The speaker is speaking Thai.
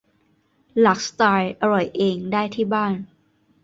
หลากสไตล์อร่อยเองได้ที่บ้าน